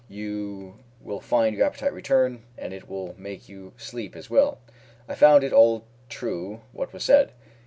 You will find your appetite return, and it will make you sleep as well." I found it all true what was said.